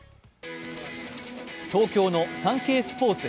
東京の「サンケイスポーツ」